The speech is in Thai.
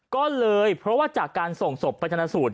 ก็เลยเพราะว่าจากการส่งศพไปชนะสูตร